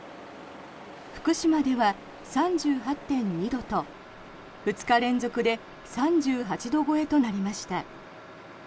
福島では３８．２度と２日連続で３８度超えとなりました。